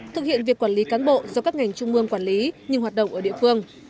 thực hiện việc quản lý cán bộ do các ngành trung mương quản lý nhưng hoạt động ở địa phương